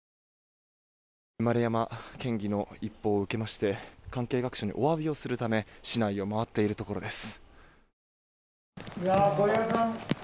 丸山県議の一報を受けまして関係各所にお詫びをするため市内を回っているところです。